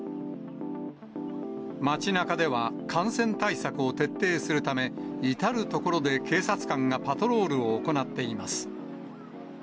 街なかでは、感染対策を徹底するため、至る所で警察官がパトロールを行っています。